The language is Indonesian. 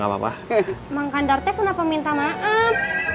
bang kandarte kenapa minta maaf